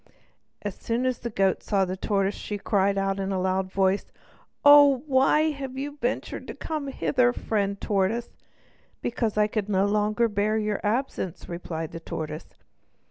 As soon as the goat saw the tortoise she cried out with a loud voice: "Oh, why have you ventured to come hither, friend tortoise?" "Because I could no longer bear your absence," replied the tortoise.